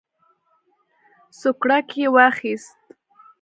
سوکړک یې واخیست.